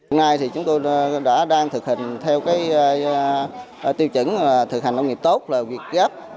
hôm nay thì chúng tôi đã đang thực hành theo tiêu chuẩn thực hành nông nghiệp tốt là việt gáp